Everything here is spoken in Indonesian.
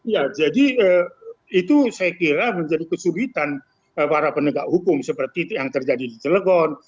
ya jadi itu saya kira menjadi kesulitan para penegak hukum seperti yang terjadi di celegon